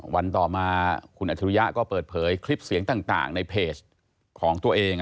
วันต่อมาคุณอัจฉริยะก็เปิดเผยคลิปเสียงต่างในเพจของตัวเอง